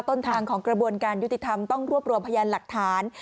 ต้นทางของกระบวนการยุติธรรมต้องรวบรวมพยานหลักฐาน